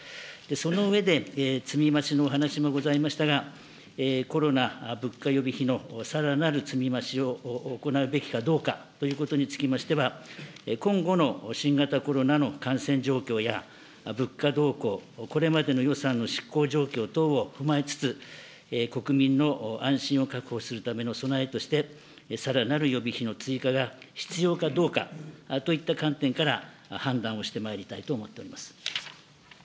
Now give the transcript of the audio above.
その上で、積み増しのお話もございましたが、コロナ物価予備費のさらなる積み増しを行うべきかどうかということにつきましては、今後の新型コロナの感染状況や、物価動向、これまでの予算の執行状況等を踏まえつつ、国民の安心を確保するための備えとして、さらなる予備費の追加が必要かどうかといった観点から判断をして谷合正明君。